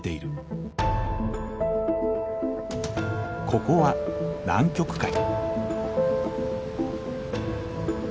ここは南極海。